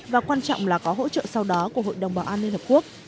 và quan trọng là có hỗ trợ sau đó của hội đồng bảo an liên hợp quốc